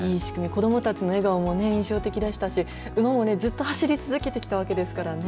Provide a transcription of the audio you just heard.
子どもたちの笑顔もね、印象的でしたし、馬もずっと走り続けてきたわけですからね。